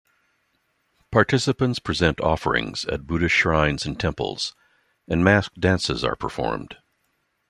Participants present offerings at Buddhist shrines and temples, and masked dances are performed.